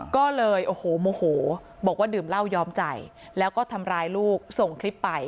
ก็เลยโอ้โหโมโหบอกว่าดื่มเหล้าย้อมใจแล้วก็ทำร้ายลูกส่งคลิปไป